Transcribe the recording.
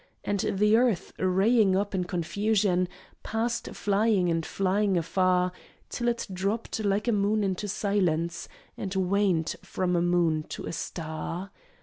And the earth, raying up in confusion, Passed flying and flying afar, Till it dropped like a moon into silence, And waned from a moon to a star.